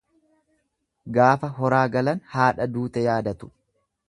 Gaafa horaa galan haadha duute yaadatu.